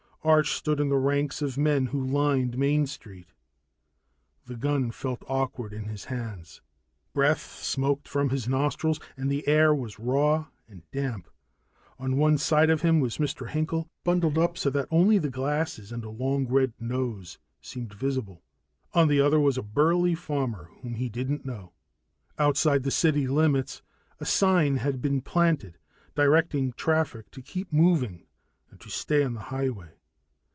Arch stood in the ranks of men who lined Main Street. The gun felt awkward in his hands. Breath smoked from his nostrils, and the air was raw and damp. On one side of him was Mr. Hinkel, bundled up so that only the glasses and a long red nose seemed visible; on the other was a burly farmer whom he didn't know. Outside the city limits a sign had been planted, directing traffic to keep moving and to stay on the highway.